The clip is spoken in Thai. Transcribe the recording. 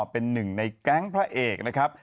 เป็นหนึ่งในแก๊งพระเอกนะครับ